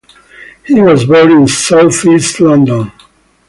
He was born in South East London.